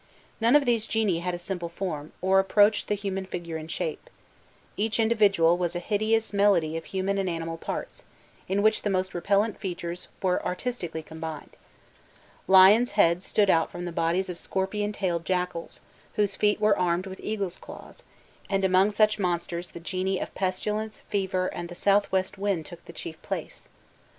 None of these genii had a simple form, or approached the human figure in shape; each individual was a hideous medley of human and animal parts, in which the most repellent features were artistically combined. Lions' heads stood out from the bodies of scorpion tailed jackals, whose feet were armed with eagles' claws: and among such monsters the genii of pestilence, fever, and the south west wind took the chief place.